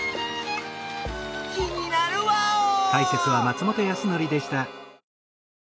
気になるワオー！